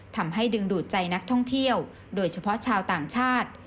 ทำให้ดึงดูดใจนักท่องเที่ยวโดยเฉพาะชาวต่างชาติ